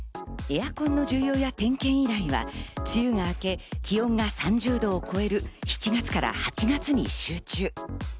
エアコンの需要や点検依頼は梅雨が明け、気温が３０度を超える７月から８月に集中。